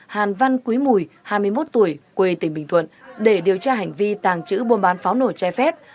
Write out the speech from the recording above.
hàn văn quý mùi hai mươi một tuổi quê tỉnh bình thuận để điều tra hành vi tàng trữ buôn bán pháo nổi trái phép